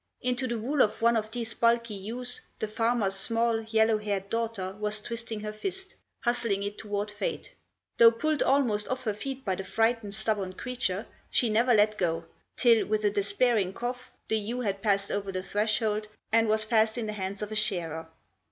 Into the wool of one of these bulky ewes the farmer's small, yellow haired daughter was twisting her fist, hustling it toward Fate; though pulled almost off her feet by the frightened, stubborn creature, she never let go, till, with a despairing cough, the ewe had passed over the threshold and was fast in the hands of a shearer.